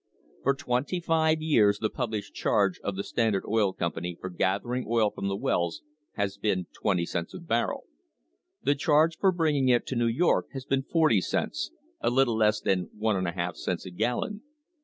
For twenty five years the published charge of the Standard Oil Company for gathering oil from the wells has been twenty cents a barrel. The charge for bringing it to New York has been forty cents, a little less than one and a half cents a gallon.